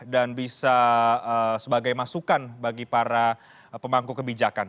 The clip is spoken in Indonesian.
dan bisa sebagai masukan bagi para pemangku kebijakan